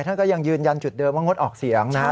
ท่านก็ยังยืนยันจุดเดิมว่างดออกเสียงนะครับ